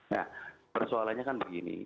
nah persoalannya kan begini